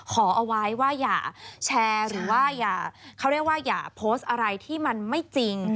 ขอเอาไว้ว่าอย่าแชร์หรือว่าเขาเรียกว่าอย่าโพสต์อะไรที่มันไม่จริง